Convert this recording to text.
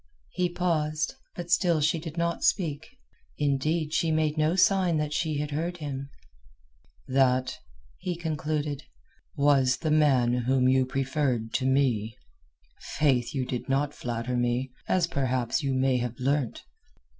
He paused, but still she did not speak; indeed, she made no sign that she had heard him. "That," he concluded, "was the man whom you preferred to me. Faith, you did not flatter me, as perhaps you may have learnt."